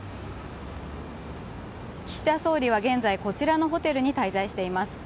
岸田総理は現在、こちらのホテルに滞在しています。